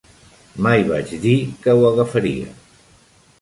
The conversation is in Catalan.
Mai vaig dir que ho agafaria.